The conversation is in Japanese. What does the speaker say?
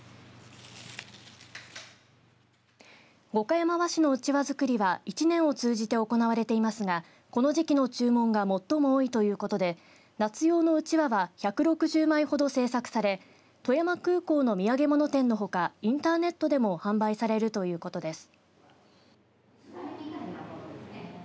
岡山市のうちわ作りは１年を通じて行われていますがこの時期の注文が最も多いということで夏用のうちわは１６０枚ほど製作され富山空港の土産物店のほかインターネットでも販売されるということです。